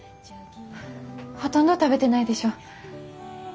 ほとんど食べてないでしょ？